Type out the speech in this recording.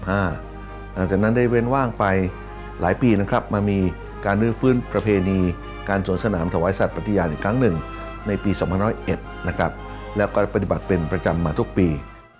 หลังจากนั้นได้เว้นว่างไปหลายปีนะครับมามีการลื้อฟื้นประเพณีการสวนสนามถวายสัตว์ปฏิญาณอีกครั้งหนึ่งในปี๒๐๑นะครับแล้วก็ปฏิบัติเป็นประจำมาทุกปี